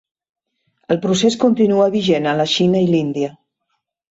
El procés continua vigent a la Xina i l'Índia.